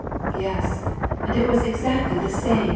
" Yes, and it was exactly the same